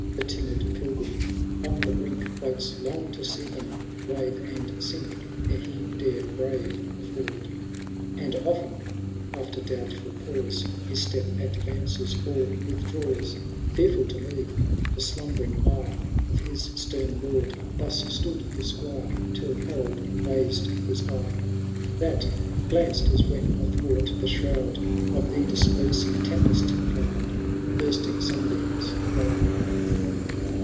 The timid pilgrim on the brink Waits long to see them wave and sink, Ere he dare bmve the ford. 148 HAROLD THB DAUNTL188. CantO III. And often, after doubtfiil pause. His step advances or withdraws : Feaiflil to move the slumbering ire Of his stem lord, thus stood the squire. Till Harold raised his eye, TtaX glanced as when athwart the shroud Of the dispersing tempest cloud The bursting sunbeams fly.